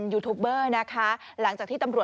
โหโหโหโหโหโห